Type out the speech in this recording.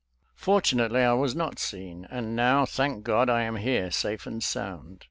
For tunately I was not seen, and now, thank God, I am here, safe and sound.